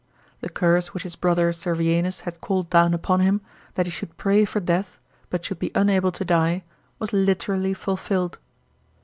The curse which his brother Servianus had called down upon him, that he should pray for death but should be unable to die, was literally fulfilled.